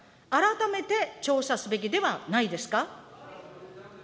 改めて調査すべきではないですか。